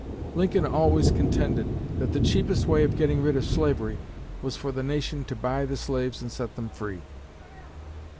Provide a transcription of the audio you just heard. Lincoln always contended that the cheapest way of getting rid of slavery was for the nation to buy the slaves and set them free."